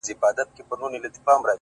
• په خبرو کي یې دومره ږغ اوچت کړ,